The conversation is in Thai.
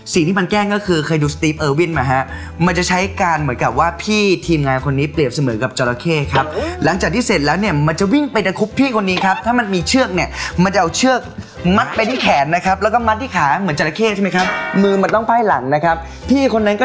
สิ่งที่มันแกล้งก็คือเคยดูสตรีฟเออร์วินมาฮะมันจะใช้การเหมือนกับว่าพี่ทีมงานคนนี้เปรียบเสมอกับจราเข้ครับหลังจากที่เสร็จแล้วเนี่ยมันจะวิ่งไปตะคุบพี่คนนี้ครับถ้ามันมีเชือกเนี่ยมันจะเอาเชือกมัดไปที่แขนนะครับแล้วก็มัดที่ขาเหมือนจราเข้ใช่ไหมครับมือมันต้องไพ่หลังนะครับพี่คนนั้นก็